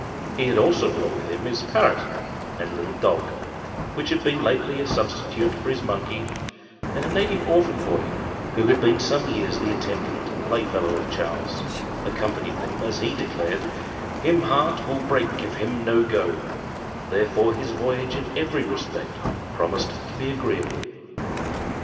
He had also brought with him his parrot, and a little dog, which had been lately a substitute for his monkey; and a native orphan boy, who had been some years the attendant and playfellow of Charles, accompanied them, as he declared "him heart will break if him no go;" therefore his voyage in every respect promised to be agreeable.